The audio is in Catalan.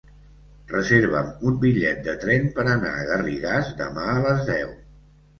Reserva'm un bitllet de tren per anar a Garrigàs demà a les deu.